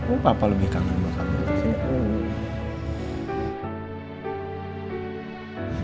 oh papa lebih kangen sama kamu disini